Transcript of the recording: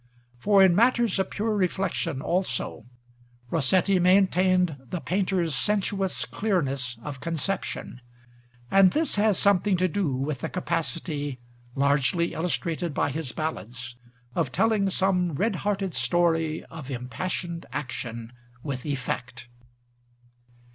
For in matters of pure reflection also, Rossetti maintained the painter's sensuous clearness of conception; and this has something to do with the capacity, largely illustrated by his ballads, of telling some red hearted story of impassioned action with effect.